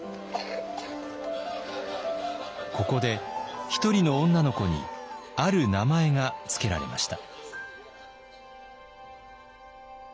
ここで一人の女の子にある名前が付けられました。